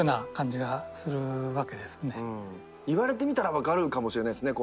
言われてみたら分かるかもしれないっすね。